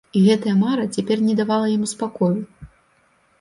І гэтая мара цяпер не давала яму спакою.